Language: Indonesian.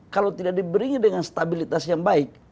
kalau tidak diberinya dengan stabilitas yang baik